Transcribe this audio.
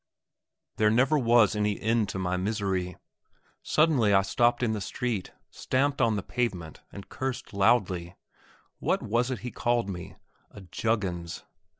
There never was any end to my misery. Suddenly I stopped in the street, stamped on the pavement, and cursed loudly. What was it he called me? A "Juggins"?